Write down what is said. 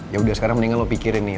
yaudah sekarang mendingan lo pikirin nih